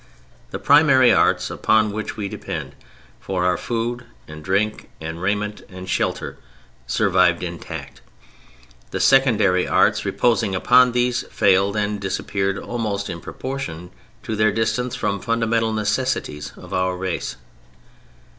The primary arts upon which we depend for our food and drink, and raiment and shelter survived intact. The secondary arts reposing upon these, failed and disappeared almost in proportion to their distance from fundamental necessities of our race.